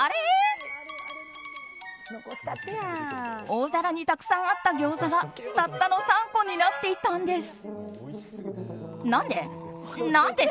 大皿にたくさんあったギョーザが、たったの３個になっていたんです。